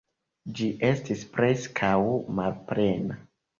Ĝi estis preskaŭ malplena.